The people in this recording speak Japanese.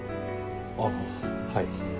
ああはい。